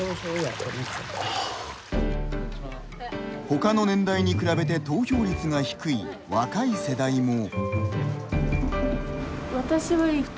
ほかの年代に比べて投票率が低い、若い世代も。